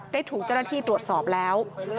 ได้ถูกเจ้าหน้าที่ตรวจสอบแล้ว